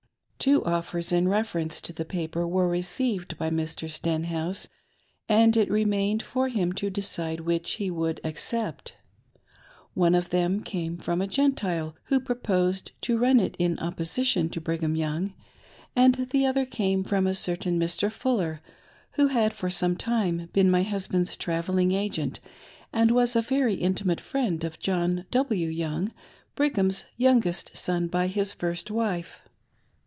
Two offers in reference to the paper were received by Mr. Stenhouse, and it remained for him to decide which he would accept. , One of them came from a Gentile, who proppsed to run it in opposition to Brigham Young, and the other came from a certain Mr. Fuller, who had for some time been my husband's travelling agent, and was a very intimate friend of John W. Young, Brigham's youngest son by his first wife.